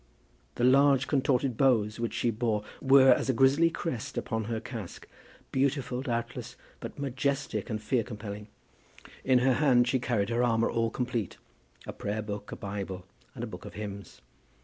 The large contorted bows which she bore were as a grisly crest upon her casque, beautiful, doubtless, but majestic and fear compelling. In her hand she carried her armour all complete, a prayer book, a bible, and a book of hymns.